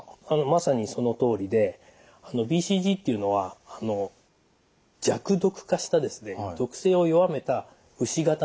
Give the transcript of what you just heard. まさにそのとおりでＢＣＧっていうのは弱毒化した毒性を弱めた牛型の結核菌なんですね。